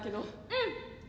うん。